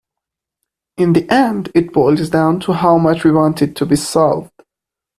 In the end it boils down to how much we want it to be solved.